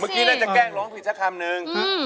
กีน่าจะแกล้งร้องผิดสักคำนึง